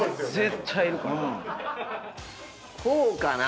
こうかな？